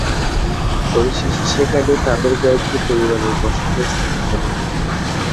পরিশেষে সেখানে তাদের কয়েকটি পরিবারের বসতি স্থাপিত হল।